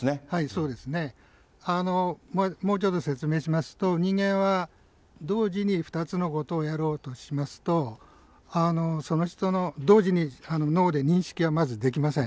もうちょっと説明しますと、人間は、同時に２つのことをやろうとしますと、その人の同時に脳で認識はまずできません。